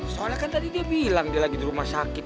soalnya kan tadi dia bilang dia lagi di rumah sakit